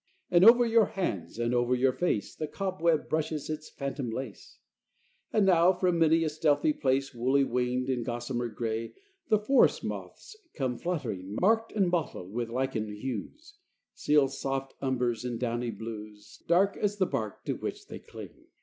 And over your hands and over your face The cobweb brushes its phantom lace: And now, from many a stealthy place, Woolly winged and gossamer gray, The forest moths come fluttering, Marked and mottled with lichen hues, Seal soft umbers and downy blues, Dark as the bark to which they cling.